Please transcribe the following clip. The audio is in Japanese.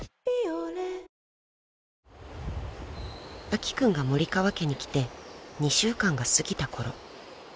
［明希君が森川家に来て２週間が過ぎたころ］